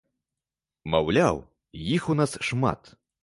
Маўляў, іх у нас шмат.